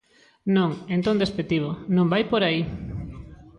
Non, en ton despectivo, non vai por aí.